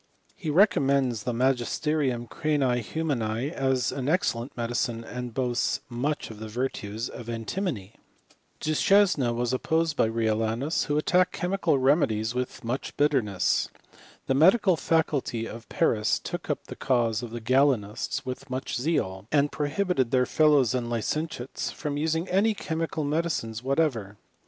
He re commends the Tnagisterium cranii humani as an ex cellent medicine, and boasts much of the virtues of antimony. Du Chesne was opposed by Riolanus, who attacked chemical remedies with much bitterness. The medical faculty of Paris took up the cause of the Galenists with much zeal, and prohibited their fellows and licentiates from using any chemical medicines what ever.